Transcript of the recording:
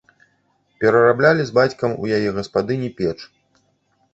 Перараблялі з бацькам у яе гаспадыні печ.